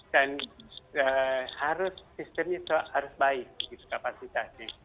dan sistemnya harus baik kapasitasnya